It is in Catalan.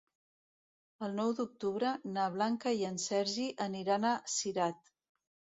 El nou d'octubre na Blanca i en Sergi aniran a Cirat.